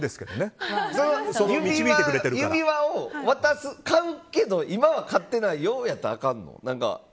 指輪を渡す、買うけど今は買ってないよではあかんの？